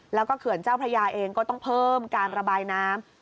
แล้วก็เขื่อนเจ้าพระยาเองก็ต้องเพิ่มการระบายน้ำ